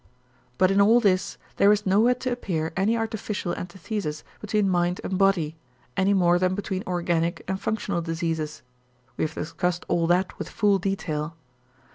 But in all this, there is nowhere to appear any artificial antithesis between mind and body, any more than between organic and functional diseases; we have discussed all that with full detail.